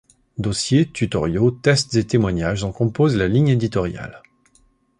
Dossiers, tutoriaux, tests et témoignages en composent la ligne éditoriale.